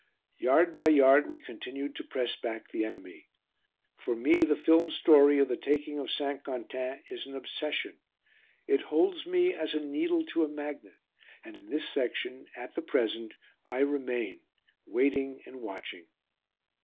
Yard by yard we continued to press back the enemy. For me the film story of the taking of St. Quentin is an obsession. It holds me as a needle to a magnet. And in this section, at the present, I remain waiting and watching.